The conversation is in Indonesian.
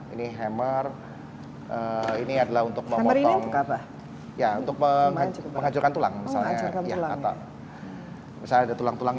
ini hammer ini adalah untuk memotong ya untuk menghancurkan tulang misalnya ya kata misalnya ada tulang tulang